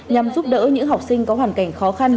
nhằm giúp đỡ những học sinh có hoàn cảnh khó khăn